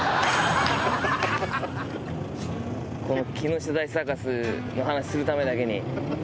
この木下大サーカスの話するためだけに。